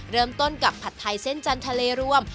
เริ่มต้นกับผัดไทยเส้นจันทะเลรวม